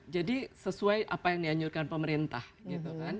jadi sesuai apa yang dianjurkan pemerintah gitu kan